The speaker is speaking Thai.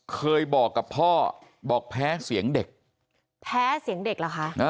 เคยบอกกับพ่อบอกแพ้เสียงเด็กแพ้เสียงเด็กเหรอคะ